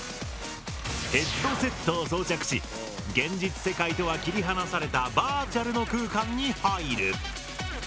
ヘッドセットを装着し現実世界とは切り離されたバーチャルの空間に入る。